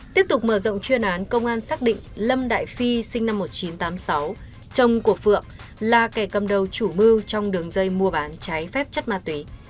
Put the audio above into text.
tiếp tục mở rộng chuyên án công an xác định lâm đại phi sinh năm một nghìn chín trăm tám mươi sáu chồng của phượng là kẻ cầm đầu chủ mưu trong đường dây mua bán trái phép chất ma túy